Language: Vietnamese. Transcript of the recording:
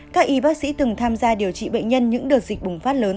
các y bác sĩ từng tham gia điều trị bệnh nhân những đợt dịch bùng phát lớn